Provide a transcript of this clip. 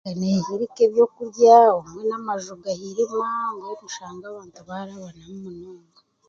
N'ehirika ebyokurya obumwe n'amaju gahirima mbwenu oshanga abantu baarabanamu munonga